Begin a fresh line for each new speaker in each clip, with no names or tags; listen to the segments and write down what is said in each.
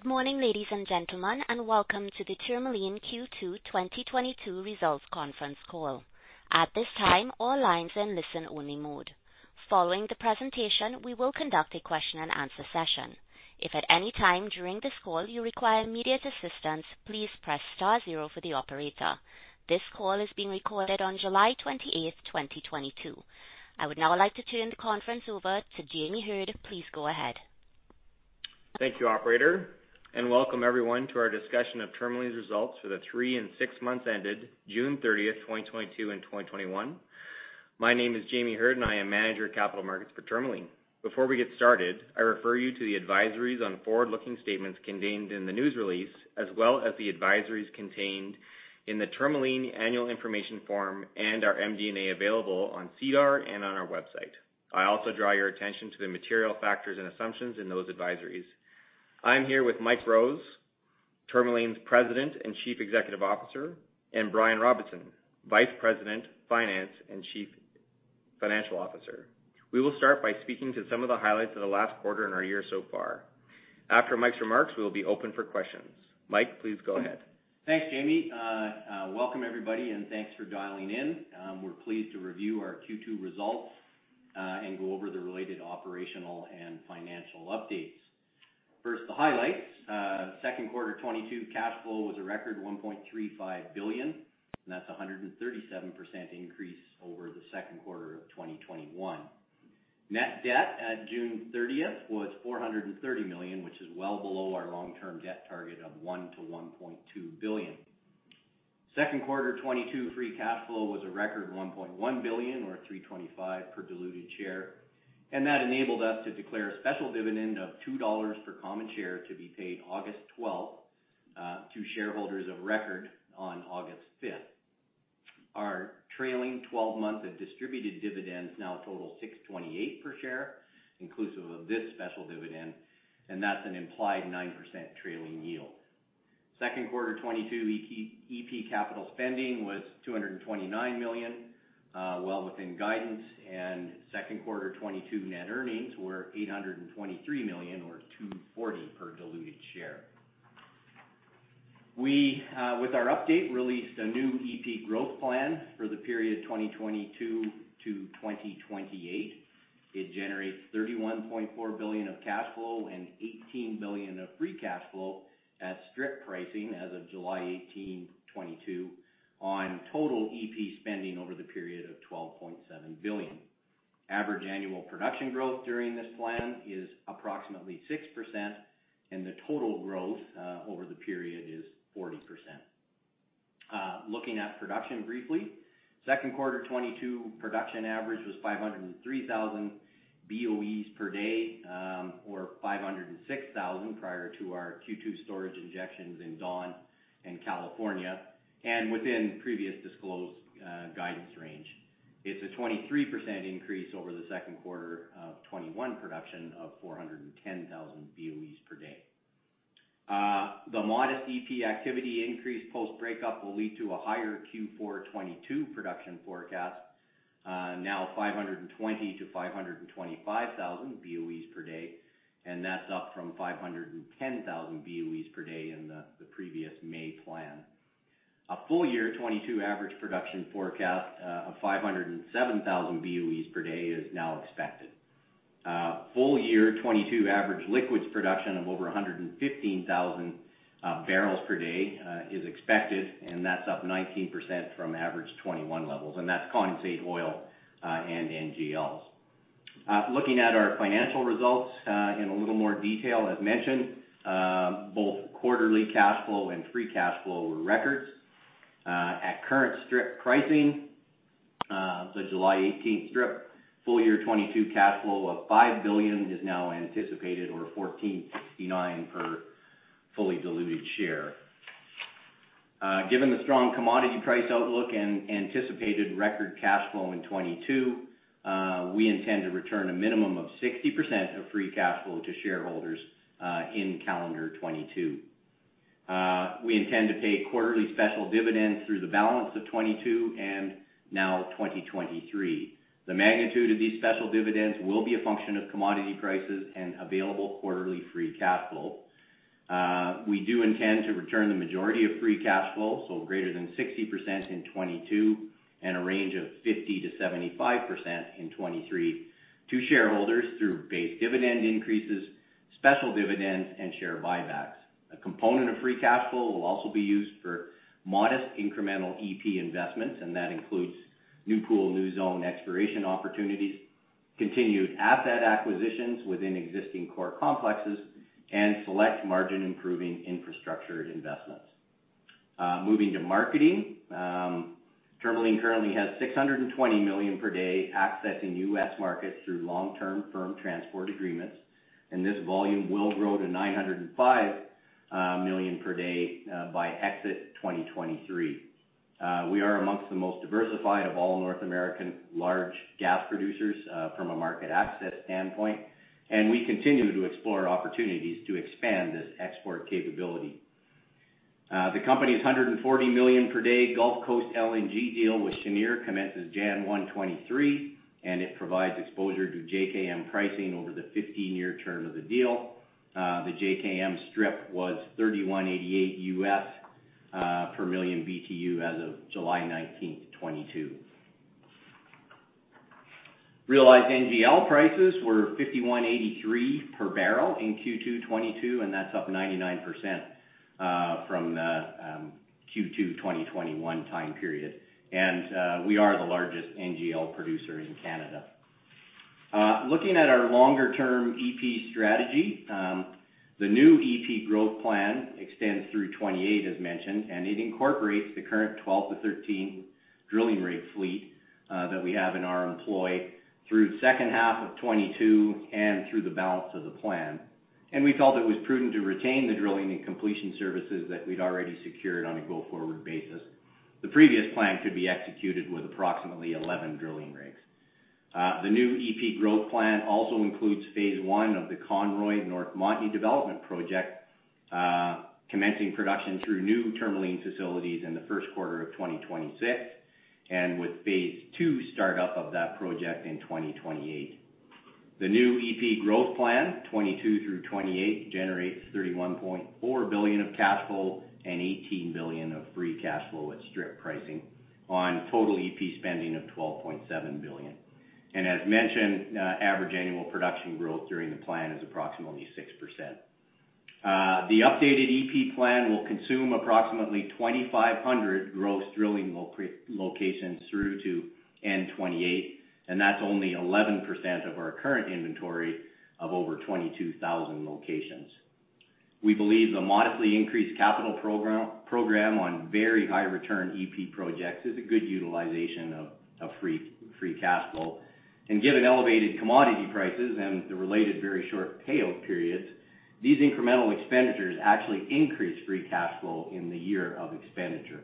Good morning, ladies and gentlemen, and welcome to the Tourmaline Q2 2022 Results Conference Call. At this time, all lines are in listen-only mode. Following the presentation, we will conduct a question-and-answer session. If at any time during this call you require immediate assistance, please press star zero for the operator. This call is being recorded on July 28, 2022. I would now like to turn the conference over to Jamie Heard. Please go ahead.
Thank you, operator, and welcome everyone to our discussion of Tourmaline's results for the three and six months ended June 30, 2022 and 2021. My name is Jamie Heard, and I am Manager of Capital Markets for Tourmaline. Before we get started, I refer you to the advisories on forward-looking statements contained in the news release, as well as the advisories contained in the Tourmaline Annual Information Form and our MD&A available on SEDAR and on our website. I also draw your attention to the material factors and assumptions in those advisories. I'm here with Mike Rose, Tourmaline's President and Chief Executive Officer, and Brian Robinson, Vice President, Finance and Chief Financial Officer. We will start by speaking to some of the highlights of the last quarter in our year so far. After Mike's remarks, we will be open for questions. Mike, please go ahead.
Thanks, Jamie. Welcome everybody, and thanks for dialing in. We're pleased to review our Q2 results and go over the related operational and financial updates. First, the highlights. Second quarter 2022 cash flow was a record 1.35 billion, and that's a 137% increase over the second quarter of 2021. Net debt at June 30 was 430 million, which is well below our long-term debt target of 1 billion-1.2 billion. Second quarter 2022 free cash flow was a record 1.1 billion or 3.25 per diluted share. That enabled us to declare a special dividend of 2 dollars per common share to be paid August 12 to shareholders of record on August 5. Our trailing twelve-month of distributed dividends now total 0.628 per share, inclusive of this special dividend, and that's an implied 9% trailing yield. Second quarter 2022 E&P capital spending was 229 million, well within guidance. Second quarter 2022 net earnings were 823 million or 2.40 per diluted share. We, with our update, released a new E&P growth plan for the period 2022 to 2028. It generates 31.4 billion of cash flow and 18 billion of free cash flow at strip pricing as of July 18, 2022, on total E&P spending over the period of 12.7 billion. Average annual production growth during this plan is approximately 6%, and the total growth over the period is 40%. Looking at production briefly. Second quarter 2022 production average was 503,000 BOEs per day, or 506,000 prior to our Q2 storage injections in Dawn and California, and within previously disclosed guidance range. It's a 23% increase over the second quarter of 2021 production of 410,000 BOEs per day. The modest EP activity increase post breakup will lead to a higher Q4 2022 production forecast, now 520,000-525,000 BOEs per day, and that's up from 510,000 BOEs per day in the previous May plan. A full year 2022 average production forecast of 507,000 BOEs per day is now expected. Full year 2022 average liquids production of over 115,000 barrels per day is expected, and that's up 19% from average 2021 levels, and that's condensate oil and NGLs. Looking at our financial results in a little more detail. As mentioned, both quarterly cash flow and free cash flow were records. At current strip pricing, so July 18 strip, full year 2022 cash flow of 5 billion is now anticipated or 14.69 per fully diluted share. Given the strong commodity price outlook and anticipated record cash flow in 2022, we intend to return a minimum of 60% of free cash flow to shareholders in calendar 2022. We intend to pay quarterly special dividends through the balance of 2022 and now 2023. The magnitude of these special dividends will be a function of commodity prices and available quarterly free cash flow. We do intend to return the majority of free cash flow, so greater than 60% in 2022 and a range of 50%-75% in 2023, to shareholders through base dividend increases, special dividends, and share buybacks. A component of free cash flow will also be used for modest incremental E&P investments, and that includes new pool, new zone exploration opportunities, continued asset acquisitions within existing core complexes, and select margin-improving infrastructure investments. Moving to marketing. Tourmaline currently has 620 million per day accessing U.S. markets through long-term firm transport agreements, and this volume will grow to 905 million per day by exit 2023. We are among the most diversified of all North American large gas producers from a market access standpoint, and we continue to explore opportunities to expand this export capability. The company's 140 million per day Gulf Coast LNG deal with Cheniere commences January 1, 2023, and it provides exposure to JKM pricing over the fifteen-year term of the deal. The JKM strip was $31.88 per million BTU as of July 19, 2022. Realized NGL prices were 51.83 per barrel in Q2 2022, and that's up 99% from the Q2 2021 time period. We are the largest NGL producer in Canada. Looking at our longer-term E&P strategy, the new E&P growth plan extends through 2028, as mentioned, and it incorporates the current 12-13 drilling rig fleet that we have in our employ through second half of 2022 and through the balance of the plan. We felt it was prudent to retain the drilling and completion services that we'd already secured on a go-forward basis. The previous plan could be executed with approximately 11 drilling rigs. The new E&P growth plan also includes phase 1 of the Conroy North Montney development project, commencing production through new Tourmaline facilities in the first quarter of 2026, and with phase 2 startup of that project in 2028. The new EP growth plan, 2022-2028, generates 31.4 billion of cash flow and 18 billion of free cash flow at strip pricing on total EP spending of 12.7 billion. As mentioned, average annual production growth during the plan is approximately 6%. The updated EP plan will consume approximately 2,500 gross drilling locations through to end 2028, and that's only 11% of our current inventory of over 22,000 locations. We believe the modestly increased capital program on very high return EP projects is a good utilization of free cash flow. Given elevated commodity prices and the related very short payout periods, these incremental expenditures actually increase free cash flow in the year of expenditure.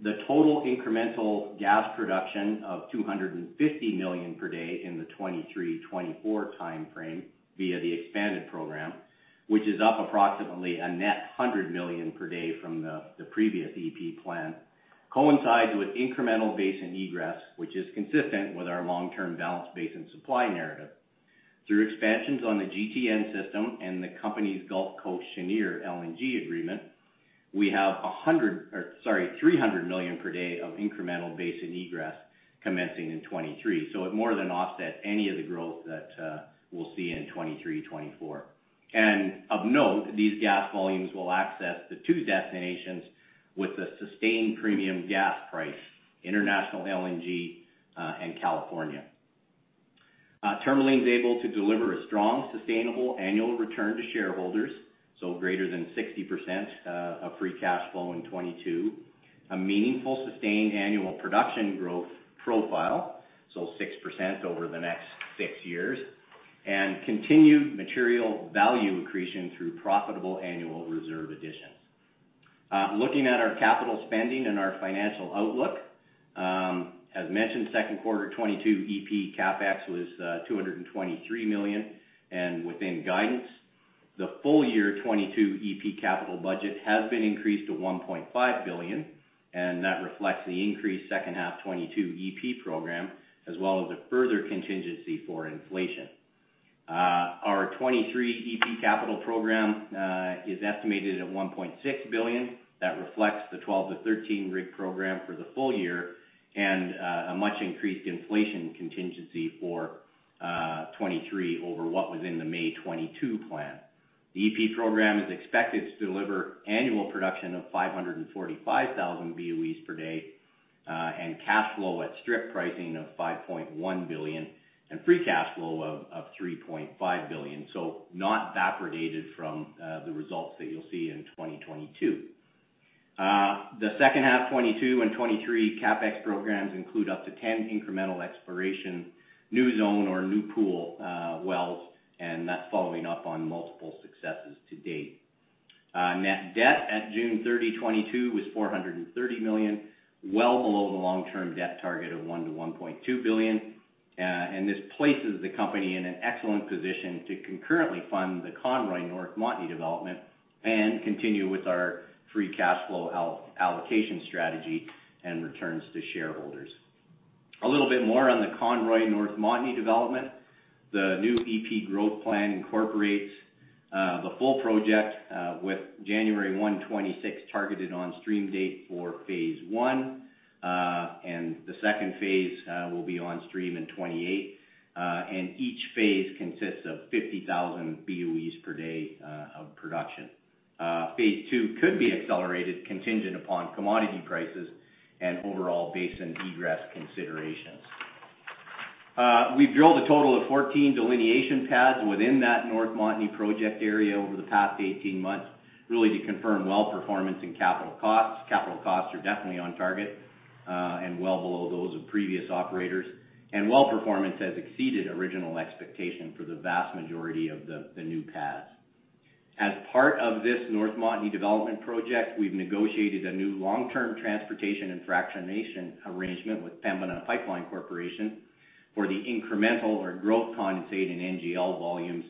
The total incremental gas production of 250 million per day in the 2023-2024 timeframe via the expanded program, which is up approximately a net 100 million per day from the previous E&P plan, coincides with incremental basin egress, which is consistent with our long-term balanced basin supply narrative. Through expansions on the GTN system and the company's Gulf Coast Cheniere LNG agreement, we have 300 million per day of incremental basin egress commencing in 2023. It more than offsets any of the growth that we'll see in 2023-2024. Of note, these gas volumes will access the two destinations with a sustained premium gas price, international LNG, and California. Tourmaline is able to deliver a strong, sustainable annual return to shareholders, so greater than 60% of free cash flow in 2022, a meaningful sustained annual production growth profile, so 6% over the next six years, and continued material value accretion through profitable annual reserve additions. Looking at our capital spending and our financial outlook, as mentioned, second quarter 2022 EP CapEx was 223 million and within guidance. The full year 2022 EP capital budget has been increased to 1.5 billion, and that reflects the increased second half 2022 EP program, as well as a further contingency for inflation. Our 2023 EP capital program is estimated at 1.6 billion. That reflects the 12-13 rig program for the full year and a much increased inflation contingency for 2023 over what was in the May 2022 plan. The E&P program is expected to deliver annual production of 545,000 BOEs per day and cash flow at strip pricing of 5.1 billion and free cash flow of 3.5 billion. Not evaporated from the results that you'll see in 2022. The second half 2022 and 2023 CapEx programs include up to 10 incremental exploration, new zone or new pool wells, and that's following up on multiple successes to date. Net debt at June 30, 2022 was 430 million, well below the long-term debt target of 1 billion-1.2 billion. This places the company in an excellent position to concurrently fund the Conroy North Montney development and continue with our free cash flow allocation strategy and returns to shareholders. A little bit more on the Conroy North Montney development. The new E&P growth plan incorporates the full project with January 1, 2026 targeted on stream date for phase 1. The second phase will be on stream in 2028. Each phase consists of 50,000 BOEs per day of production. Phase 2 could be accelerated contingent upon commodity prices and overall basin egress considerations. We've drilled a total of 14 delineation pads within that North Montney project area over the past 18 months, really to confirm well performance and capital costs. Capital costs are definitely on target and well below those of previous operators. Well performance has exceeded original expectation for the vast majority of the new pads. As part of this North Montney development project, we've negotiated a new long-term transportation and fractionation arrangement with Pembina Pipeline Corporation for the incremental or growth condensate and NGL volumes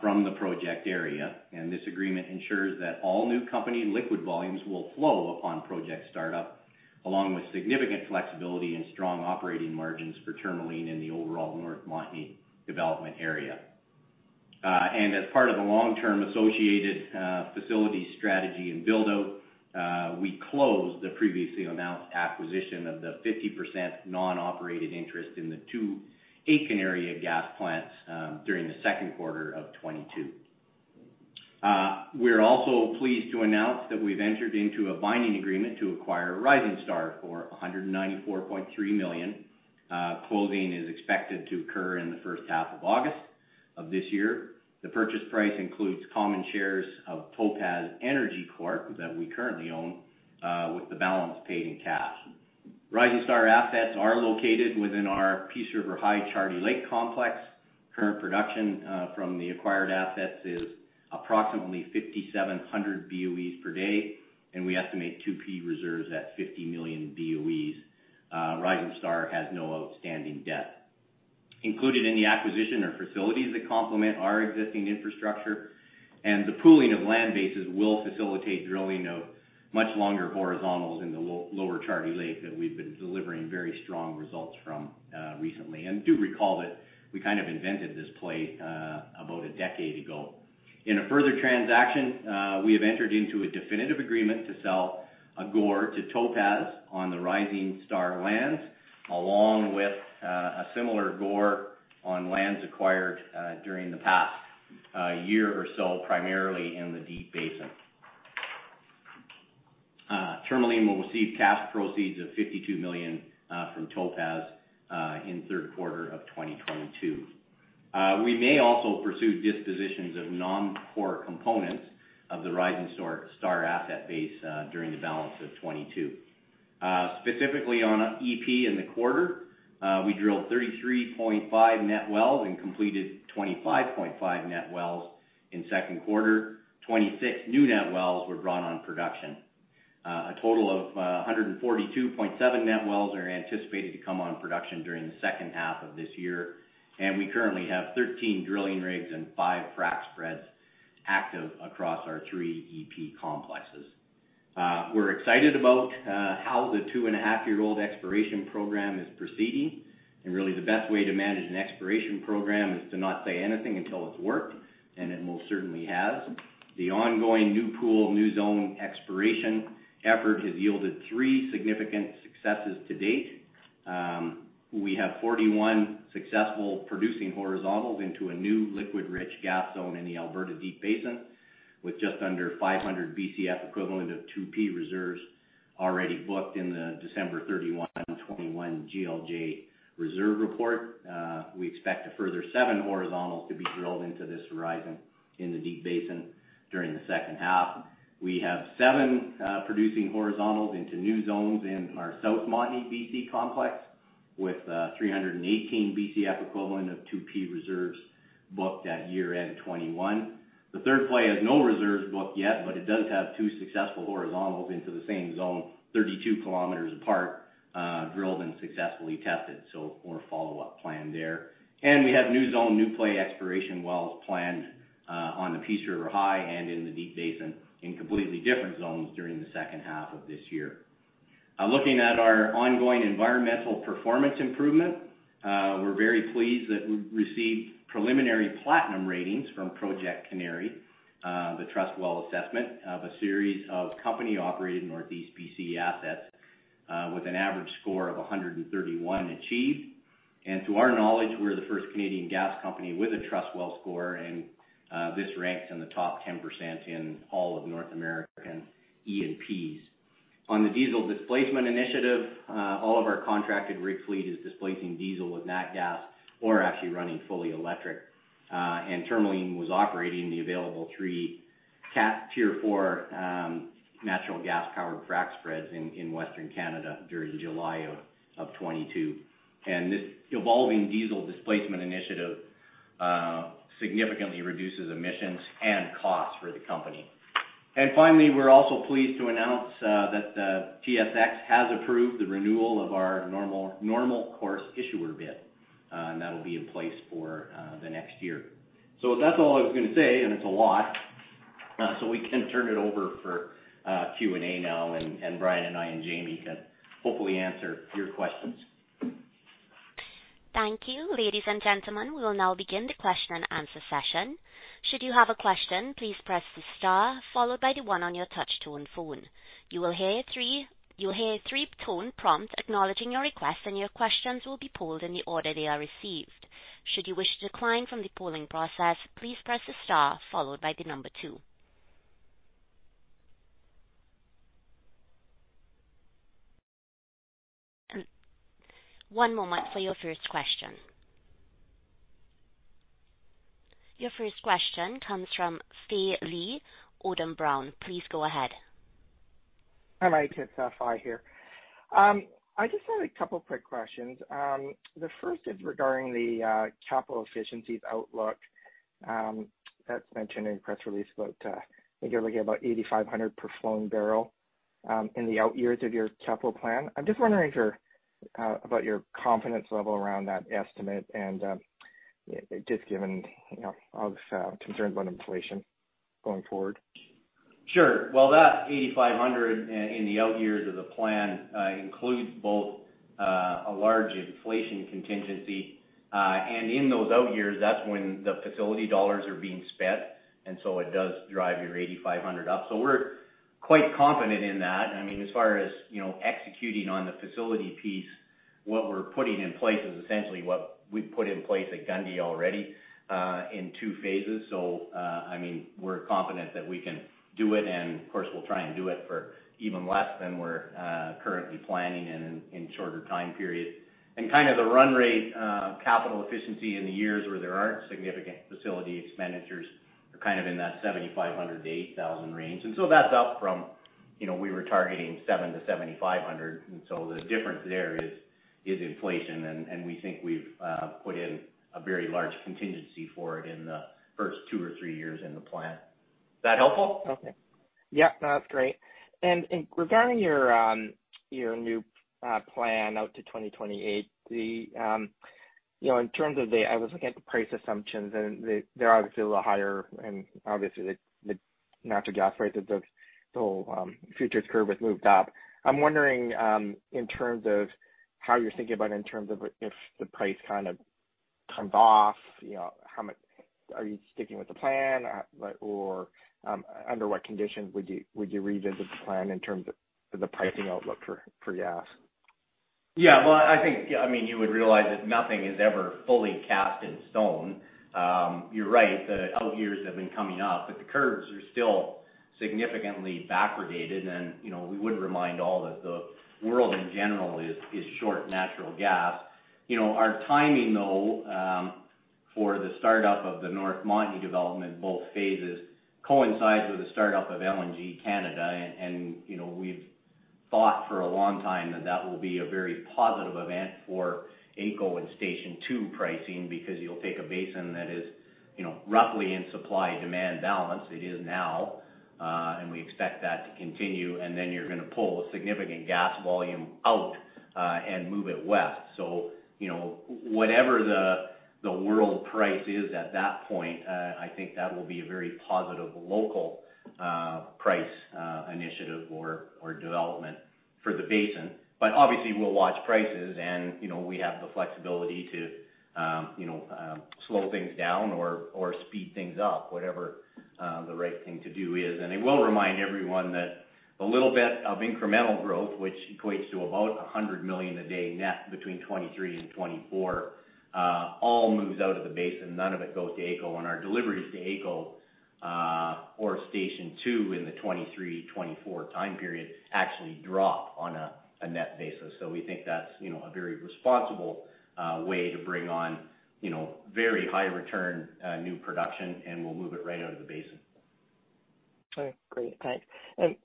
from the project area. This agreement ensures that all new company liquid volumes will flow upon project startup, along with significant flexibility and strong operating margins for Tourmaline in the overall North Montney development area. As part of the long-term associated facility strategy and build-out, we closed the previously announced acquisition of the 50% non-operated interest in the two Aitken area gas plants during the second quarter of 2022. We're also pleased to announce that we've entered into a binding agreement to acquire Rising Star for 194.3 million. Closing is expected to occur in the first half of August of this year. The purchase price includes common shares of Topaz Energy Corp that we currently own, with the balance paid in cash. Rising Star assets are located within our Peace River High Charlie Lake complex. Current production from the acquired assets is approximately 5,700 BOEs per day, and we estimate 2P reserves at 50 million BOEs. Rising Star has no outstanding debt. Included in the acquisition are facilities that complement our existing infrastructure, and the pooling of land bases will facilitate drilling of much longer horizontals in the Lower Charlie Lake that we've been delivering very strong results from recently. Do recall that we kind of invented this play about a decade ago. In a further transaction, we have entered into a definitive agreement to sell a GOR to Topaz on the Rising Star lands, along with a similar GOR on lands acquired during the past year or so, primarily in the Deep Basin. Tourmaline will receive cash proceeds of 52 million from Topaz in third quarter of 2022. We may also pursue dispositions of non-core components of the Rising Star asset base during the balance of 2022. Specifically on E&P in the quarter, we drilled 33.5 net wells and completed 25.5 net wells in second quarter. 26 new net wells were brought on production. A total of 142.7 net wells are anticipated to come on production during the second half of this year. We currently have 13 drilling rigs and five frac spreads active across our three EP complexes. We're excited about how the two-and-a-half-year-old exploration program is proceeding. Really the best way to manage an exploration program is to not say anything until it's worked, and it most certainly has. The ongoing new pool, new zone exploration effort has yielded three significant successes to date. We have 41 successful producing horizontals into a new liquid-rich gas zone in the Alberta Deep Basin, with just under 500 Bcf equivalent of 2P reserves already booked in the December 31, 2021 GLJ reserve report. We expect a further seven horizontals to be drilled into this horizon in the Deep Basin during the second half. We have seven producing horizontals into new zones in our South Montney BC complex, with 318 Bcf equivalent of 2P reserves booked at year-end 2021. The third play has no reserves booked yet, but it does have two successful horizontals into the same zone 32 km apart, drilled and successfully tested, so more follow-up planned there. We have new zone, new play exploration wells planned on the Peace River High and in the Deep Basin in completely different zones during the second half of this year. Looking at our ongoing environmental performance improvement, we're very pleased that we received preliminary platinum ratings from Project Canary, the TrustWell assessment of a series of company-operated Northeast BC assets, with an average score of 131 achieved. To our knowledge, we're the first Canadian gas company with a TrustWell score and this ranks in the top 10% in all of North American E&Ps. On the diesel displacement initiative, all of our contracted rig fleet is displacing diesel with nat gas or actually running fully electric. Tourmaline was operating the available three Tier 4 natural gas-powered frac spreads in Western Canada during July of 2022. This evolving diesel displacement initiative significantly reduces emissions and costs for the company. Finally, we're also pleased to announce that TSX has approved the renewal of our Normal Course Issuer Bid and that'll be in place for the next year. That's all I was gonna say, and it's a lot. We can turn it over for Q&A now, and Brian and I and Jamie can hopefully answer your questions.
Thank you. Ladies and gentlemen, we will now begin the question-and-answer session. Should you have a question, please press the star followed by the one on your touch tone phone. You will hear three tone prompts acknowledging your request, and your questions will be pulled in the order they are received. Should you wish to decline from the polling process, please press the star followed by the number two. One moment for your first question. Your first question comes from Phil Lee, Odlum Brown. Please go ahead.
Hi. It's Phil here. I just have a couple quick questions. The first is regarding the capital efficiencies outlook that's mentioned in your press release about I think you're looking at about 8,500 per flowing barrel. In the out years of your capital plan, I'm just wondering about your confidence level around that estimate and just given, you know, obvious concerns about inflation going forward?
Sure. Well, that 8,500 in the out years of the plan includes both a large inflation contingency. In those out years, that's when the facility dollars are being spent, and so it does drive your 8,500 up. We're quite confident in that. I mean, as far as, you know, executing on the facility piece, what we're putting in place is essentially what we put in place at Gundy already in two phases. I mean, we're confident that we can do it, and of course, we'll try and do it for even less than we're currently planning and in shorter time periods. Kind of the run rate capital efficiency in the years where there aren't significant facility expenditures are kind of in that 7,500-8,000 range. That's up from, you know, we were targeting 7-7,500, and so the difference there is inflation. We think we've put in a very large contingency for it in the first two or three years in the plan. Is that helpful?
Okay. Yeah, no, that's great. Regarding your new plan out to 2028, I was looking at the price assumptions, and they're obviously a little higher and obviously the natural gas prices of the whole futures curve has moved up. I'm wondering in terms of how you're thinking about in terms of if the price kind of comes off, you know, are you sticking with the plan? Like, or under what conditions would you revisit the plan in terms of the pricing outlook for gas?
Yeah. Well, I think, I mean, you would realize that nothing is ever fully cast in stone. You're right, the out years have been coming up, but the curves are still significantly backwardated. You know, we would remind all that the world in general is short natural gas. You know, our timing, though, for the startup of the North Montney development, both phases coincides with the startup of LNG Canada. You know, we've thought for a long time that that will be a very positive event for AECO and Station 2 pricing because you'll take a basin that is, you know, roughly in supply-demand balance. It is now, and we expect that to continue. Then you're gonna pull a significant gas volume out, and move it west. You know, whatever the world price is at that point, I think that will be a very positive local price initiative or development for the basin. Obviously we'll watch prices and, you know, we have the flexibility to, you know, slow things down or speed things up, whatever the right thing to do is. I will remind everyone that a little bit of incremental growth, which equates to about 100 million a day net between 2023 and 2024, all moves out of the basin. None of it goes to AECO. Our deliveries to AECO or Station 2 in the 2023/2024 time period actually drop on a net basis. We think that's, you know, a very responsible way to bring on, you know, very high return new production, and we'll move it right out of the basin.
Okay, great. Thanks.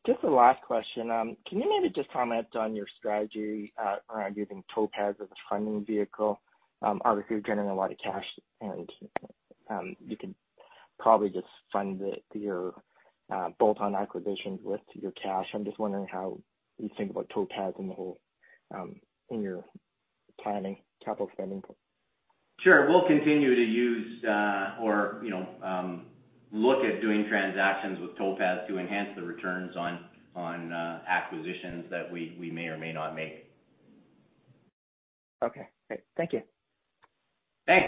Just a last question. Can you maybe just comment on your strategy around using Topaz as a funding vehicle? Obviously you're generating a lot of cash, and you could probably just fund it, your bolt-on acquisitions with your cash. I'm just wondering how you think about Topaz in the whole, in your planning capital spending.
Sure. We'll continue to use or you know look at doing transactions with Topaz to enhance the returns on acquisitions that we may or may not make.
Okay, great. Thank you.
Thanks.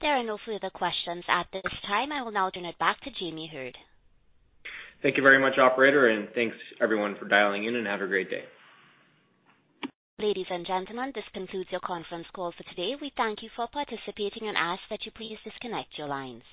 There are no further questions at this time. I will now turn it back to Jamie Heard.
Thank you very much, operator. Thanks everyone for dialing in, and have a great day.
Ladies and gentlemen, this concludes your conference call for today. We thank you for participating and ask that you please disconnect your lines.